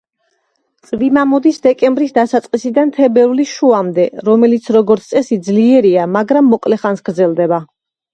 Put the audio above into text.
წვიმა მოდის დეკემბრის დასაწყისიდან თებერვლის შუამდე, რომელიც როგორც წესი ძლიერია, მაგრამ მოკლე ხანს გრძელდება.